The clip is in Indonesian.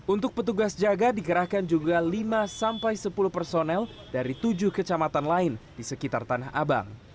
untuk petugas jaga dikerahkan juga lima sampai sepuluh personel dari tujuh kecamatan lain di sekitar tanah abang